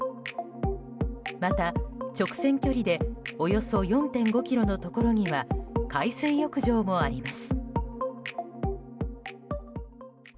また、直線距離でおよそ４．５ｋｍのところには海水浴場もあります。